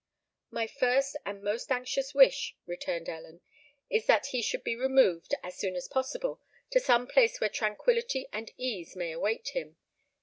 "My first and most anxious wish," returned Ellen, "is that he should be removed, as soon as possible, to some place where tranquillity and ease may await him.